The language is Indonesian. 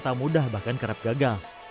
tak mudah bahkan kerap gagal